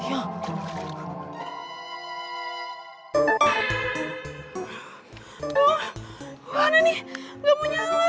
aduh gimana nih gak mau nyala